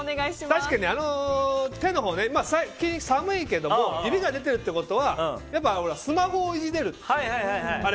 確かに手のほうね、寒いけど指が出てるってことはスマホをいじれるっていう。